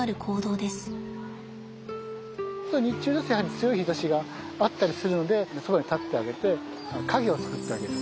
日中だとやはり強い日ざしがあったりするのでそばに立ってあげて影を作ってあげる。